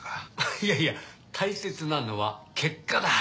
いやいや大切なのは結果だ。